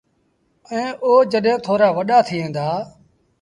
ائيٚݩ او جڏهيݩ ٿورآ وڏآ ٿيٚن دآ۔